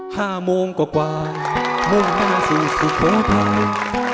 ห้าโมงกว่ากว่ามุ่งหน้าสู่สุโขทัย